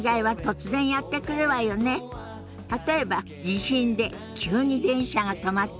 例えば地震で急に電車が止まったり。